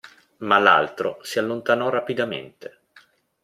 Ma l'altro si allontanò rapidamente.